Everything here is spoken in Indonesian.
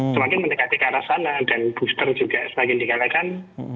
semakin mendekati ke arah sana dan booster juga semakin digalakan